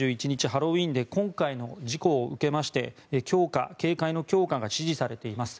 ハロウィーンで今回の事故を受けまして警戒の強化が指示されています。